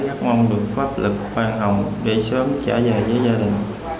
các mong được pháp lực khoan hồng để sớm trở về với dân